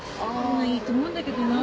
いいと思うんだけどな。